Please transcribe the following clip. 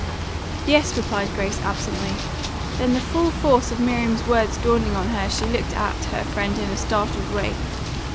"Yes," replied Grace absently. Then the full force of Miriam's words dawning on her she looked at her friend in a startled way.